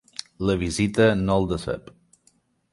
La visita no el decep.